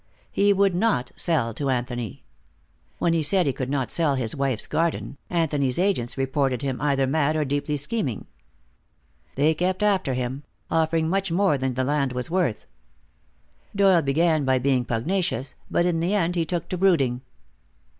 He would not sell to Anthony. When he said he could not sell his wife's garden, Anthony's agents reported him either mad or deeply scheming. They kept after him, offering much more than the land was worth. Doyle began by being pugnacious, but in the end he took to brooding.